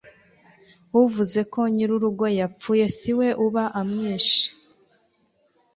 uvuze ko nyirurugo yapfuye si we uba amwishe